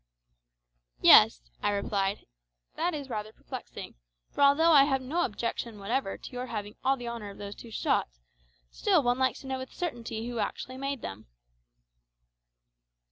"Yes," I replied, "it is rather perplexing; for although I have no objection whatever to your having all the honour of those two shots, still one likes to know with certainty who actually made them."